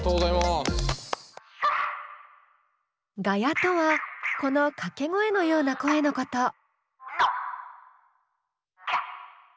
ガヤとはこの掛け声のような声のこと。